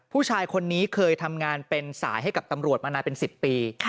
ผู้ชายคนนี้เคยทำงานเป็นสายให้กับตำรวจมานานเป็น๑๐ปี